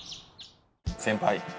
先輩。